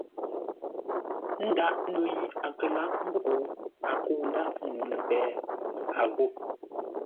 Ńdǎʼ no yi a kə lǎʼ ńgó koo a kə̂u ńdáʼ ŋuu lə́ péh, a ghô.